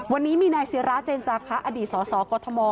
วันนี้มีนายศิราเจนจาคะอดีตสสกม